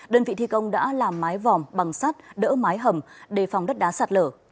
đơn vị thi công đã làm mái vòm bằng sắt đỡ mái hầm đề phòng đất đá sạt lở